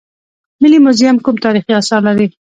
ملي موزیم کوم تاریخي اثار لري؟